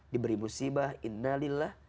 diberi musibah innalillah